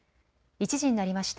１時になりました。